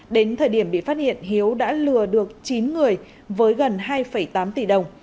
đến thời điểm bị phát hiện hiếu đã lừa được chín người với gần hai tám tỷ đồng